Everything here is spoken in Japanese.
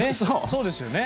そうですよね。